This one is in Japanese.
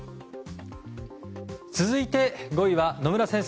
続いて５位は野村先生